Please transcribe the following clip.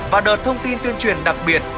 và đợt thông tin tuyên truyền đặc biệt